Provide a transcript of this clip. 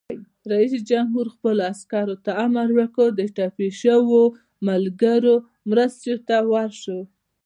رئیس جمهور خپلو عسکرو ته امر وکړ؛ د ټپي شویو ملګرو مرستې ته ورشئ!